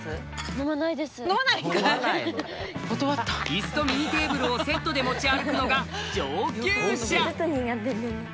イスとミニテーブルをセットで持ち歩くのが上級者！